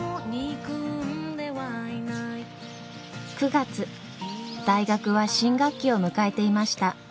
９月大学は新学期を迎えていました。